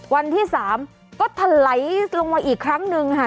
วันที่๓ก็ถลายลงมาอีกครั้งหนึ่งค่ะ